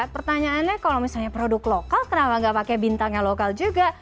pertanyaannya kalau misalnya produk lokal kenapa nggak pakai bintangnya lokal juga